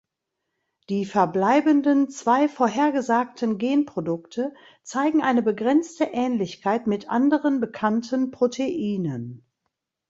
Die verbleibenden zwei vorhergesagten Genprodukte zeigen eine begrenzte Ähnlichkeit mit anderen bekannten Proteinen.